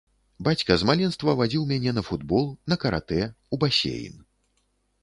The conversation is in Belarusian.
Бацька з маленства вадзіў мяне на футбол, на каратэ, у басейн.